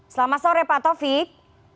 selamat sore pak taufik